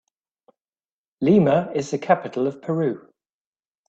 Lima is the capital of Peru.